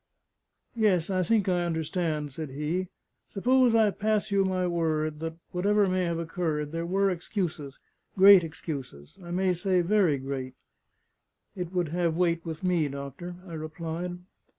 "Yes; I think I understand," said he. "Suppose I pass you my word that, whatever may have occurred, there were excuses great excuses I may say, very great?" "It would have weight with me, doctor," I replied.